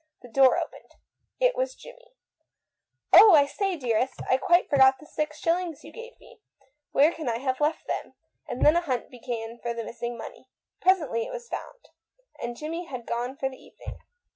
The door opened. It was Jimmie. " Oh, I say, dearest, I quite forgot the ten shillings you gave me ! Where can I have left it?" And then a hunt began for the missing money. Presently it was found, and Jimmie had gone for the evening.